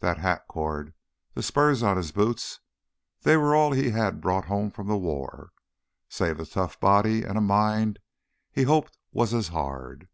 That hat cord, the spurs on his boots, they were all he had brought home from war—save a tough body and a mind he hoped was as hard.